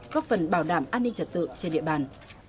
góp phần bảo đảm an ninh trật tự trên địa bàn